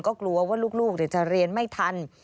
ก็กลัวว่าลูกจะเรียนไม่ทัน